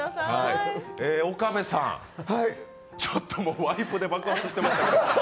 岡部さん、ちょっともうワイプで爆発してましたけど。